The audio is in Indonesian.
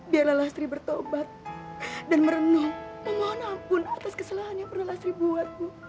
biarlah lastri bertobat dan merenung memohon ampun atas kesalahan yang pernah lastri buat ibu